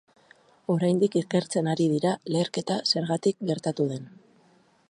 Oraindik ikertzen ari dira leherketa zergatik gertatu den.